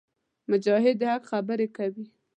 مجاهد د حق خبرې کوي.